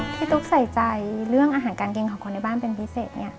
ตุ๊กใส่ใจเรื่องอาหารการกินของคนในบ้านเป็นพิเศษ